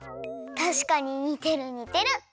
たしかににてるにてる！